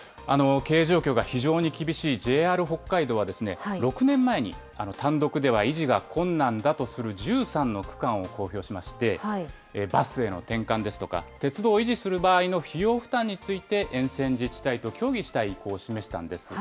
経営状況が非常に厳しいＪＲ北海道は、６年前に、単独では維持が困難だとする１３の区間を公表しまして、バスへの転換ですとか、鉄道を維持する場合の費用負担について、沿線自治体と協議したい意向を示したんです。